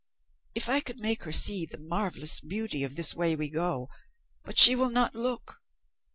"If I could make her see the marvelous beauty of this way we go, but she will not look.